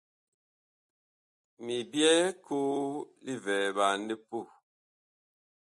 Mi byɛɛ koo livɛɛɓan li puh.